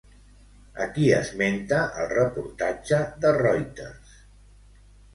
A qui esmenta el reportatge de Reuters?